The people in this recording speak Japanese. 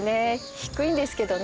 低いんですけどね。